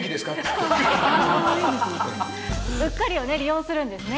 うっかりを利用するんですね。